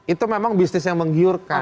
itu memang bisnis yang menggiurkan